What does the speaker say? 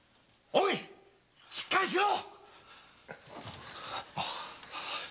おいしっかりしろ！